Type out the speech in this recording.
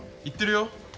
行ってるよ。